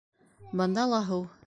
Бында ла һыу!